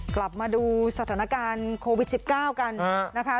กลับมาดูสถานการณ์โควิด๑๙กันนะคะ